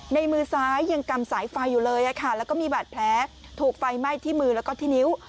มือซ้ายยังกำสายไฟอยู่เลยแล้วก็มีบาดแผลถูกไฟไหม้ที่มือแล้วก็ที่นิ้ว